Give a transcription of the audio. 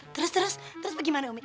terus terus terus bagaimana umi